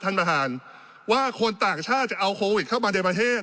ท่านประธานว่าคนต่างชาติจะเอาโควิดเข้ามาในประเทศ